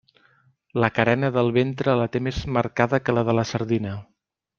La carena del ventre la té més marcada que la de la sardina.